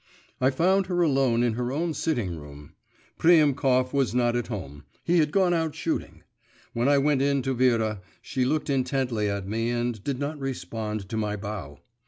I found her alone in her own sitting room. Priemkov was not at home, he had gone out shooting. When I went in to Vera, she looked intently at me and did not respond to my bow.